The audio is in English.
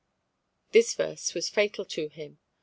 This verse was fatal to him.